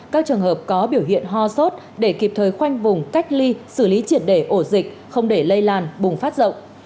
các trường hợp có biểu hiện ho sốt để kịp thời khoanh vùng cách ly xử lý triệt đề ổ dịch không để lây lan bùng phát rộng